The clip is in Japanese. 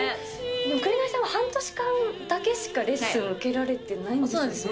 紅さんは半年間だけしかレッスンを受けられてないんですよね。